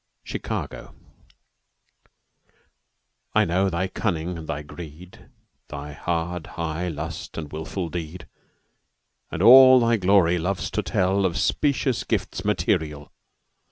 CHICAGO "I know thy cunning and thy greed, Thy hard high lust and wilful deed, And all thy glory loves to tell Of specious gifts material."